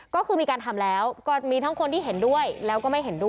ก็มีการทำแล้ว